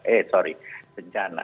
ya sorry bencana